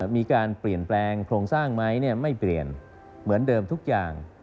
มีการเปลี่ยนแปลงโครงสร้างไหมไม่เปลี่ยนเหมือนเดิมทุกอย่าง